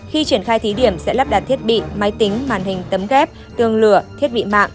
khi triển khai thí điểm sẽ lắp đặt thiết bị máy tính màn hình tấm ghép tường lửa thiết bị mạng